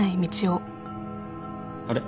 あれ？